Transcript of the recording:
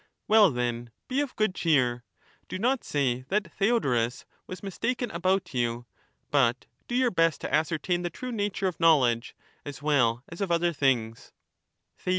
Well, then, be of good cheer; do not say that Theodorus was mistaken about you, but do your best to ascertain the true nature of knowledge, as well as of other things.